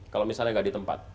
kalau misalnya nggak di tempat